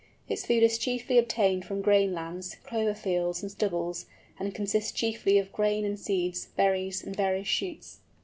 Its food is chiefly obtained from grain lands, clover fields, and stubbles, and consists chiefly of grain and seeds, berries, and various shoots.